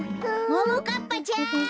ももかっぱちゃん！